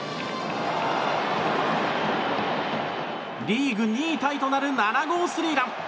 リーグ２位タイとなる７号スリーラン。